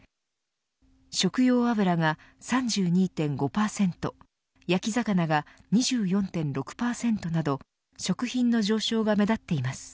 食用油が３２．５％焼き魚が２４．６％など食品の上昇が目立っています。